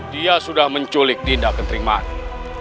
dia sudah menculik dinda kentrimani